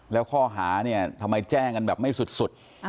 แล้วข้อหาเนี่ยทำไมแจ้งกันแบบไม่สุด